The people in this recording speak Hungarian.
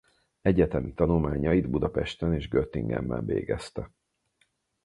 Egyetemi tanulmányait Budapesten és Göttingenben végezte.